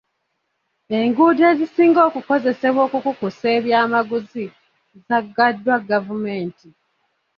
Enguudo ezisinga okukozesebwa okukukusa ebyamaguzi zaggaddwa gavumenti.